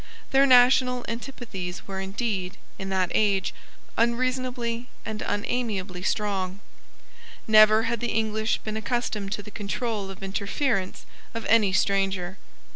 Their national antipathies were, indeed, in that age, unreasonably and unamiably strong. Never had the English been accustomed to the control of interference of any stranger.